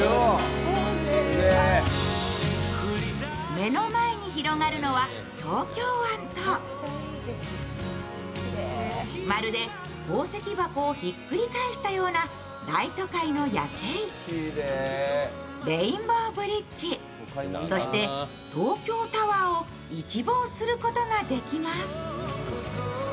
目の前に広がるのは東京湾とまるで宝石箱をひっくり返したような大都会の夜景、レインボーブリッジ、そして、東京タワーを一望することができます。